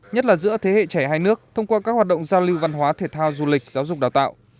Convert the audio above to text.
nhất là giữa thế hệ trẻ hai nước thông qua các hoạt động giao lưu văn hóa thể thao du lịch giáo dục đào tạo